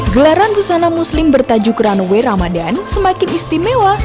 gelaran busana muslim bertajuk runway ramadan semakin istimewa